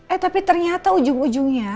eh tapi ternyata ujung ujungnya